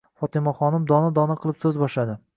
Fotimaxonim dona-dona qilib so'z boshladi: